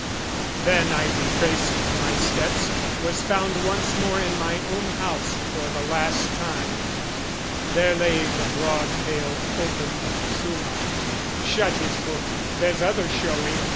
Then I retraced my steps, was found once more In my own house for the last time: there lay The broad pale opened Summa. "Shut his book, "There's other showing!